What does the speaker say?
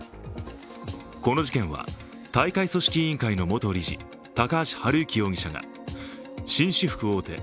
この事件は、大会組織委員会の元理事、高橋治之容疑者が紳士服大手ＡＯＫＩ